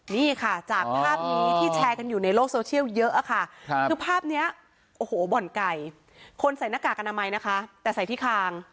นี่ค่ะจากภาพนี้ที่แชร์กันอยู่ในโลกโซเชียลเยอะค่ะคือภาพนี้โอ้โหบ่อนไก่คนใส่หน้ากากอนามัยนะคะแต่ใส่ที่คาง